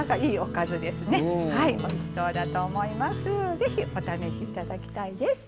ぜひ、お試しいただきたいです。